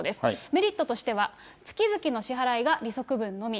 メリットとしては月々の支払いが利息分のみ。